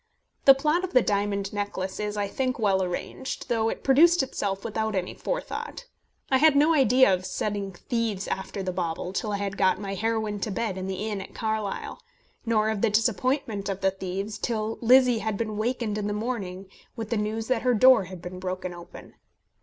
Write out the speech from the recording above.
The plot of the diamond necklace is, I think, well arranged, though it produced itself without any forethought. I had no idea of setting thieves after the bauble till I had got my heroine to bed in the inn at Carlisle; nor of the disappointment of the thieves, till Lizzie had been wakened in the morning with the news that her door had been broken open.